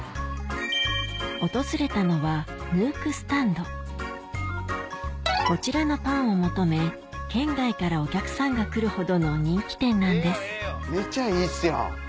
訪れたのはこちらのパンを求め県外からお客さんが来るほどの人気店なんですめちゃいいっすやん。